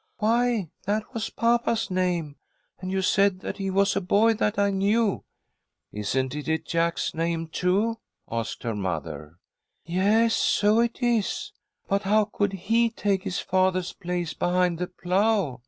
"Why, that was papa's name, and you said that he was a boy that I knew." "Isn't it Jack's name, too?" asked her mother. "Yes, so it is! But how could he take his father's place behind the plough?